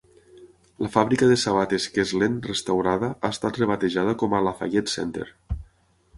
La fàbrica de sabates Keslen restaurada ha estat rebatejada com a Lafayette Center.